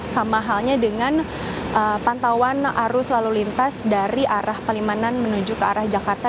sama halnya dengan pantauan arus lalu lintas dari arah palimanan menuju ke arah jakarta